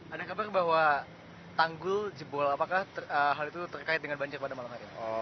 ada kabar bahwa tanggul jebol apakah hal itu terkait dengan banjir pada malam hari ini